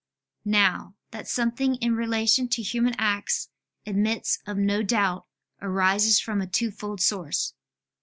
]. Now, that something in relation to human acts admits of no doubt, arises from a twofold source.